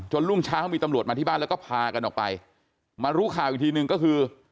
รุ่งเช้ามีตำรวจมาที่บ้านแล้วก็พากันออกไปมารู้ข่าวอีกทีหนึ่งก็คือ